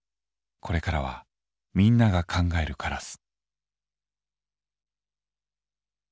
これからはみんなが考えるカラス。